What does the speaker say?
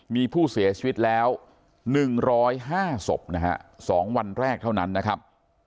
มีผู้เสียชีวิตแล้ว๑๐๕ศพนะฮะ๒วันแรกเท่านั้นนะครับ